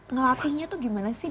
ngelakuinnya tuh gimana sih